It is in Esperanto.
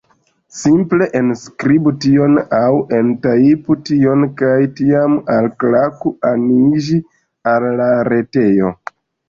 Simple enskribu tion aŭ entajpu tion kaj tiam alklaku aniĝi al la retejo